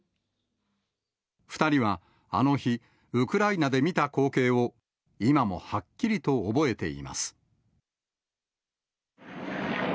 ２人はあの日、ウクライナで見た光景を、今もはっきりと覚えています。